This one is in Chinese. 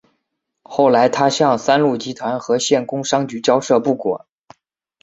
后来他向三鹿集团和县工商局交涉不果。